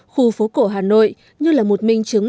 khu phố cổ hà nội như là một minh chứng